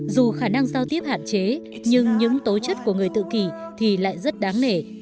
dù khả năng giao tiếp hạn chế nhưng những tố chất của người tự kỷ thì lại rất đáng nể